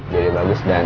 jadi bagus dan